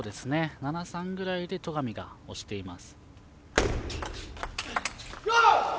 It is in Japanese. ７−３ぐらいで戸上が押しています。